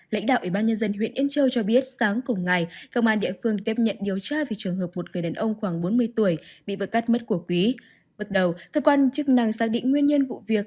lãnh đạo ủy ban nhân dân huyện yên châu cho biết sáng cùng ngày công an địa phương tiếp nhận điều tra về trường hợp một người đàn ông khoảng bốn mươi tuổi bị vừa cắt mất của quý